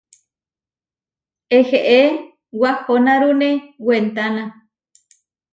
Eheé, wahonárune wentána.